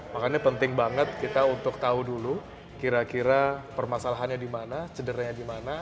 makanya penting banget kita untuk tahu dulu kira kira permasalahannya di mana cederanya di mana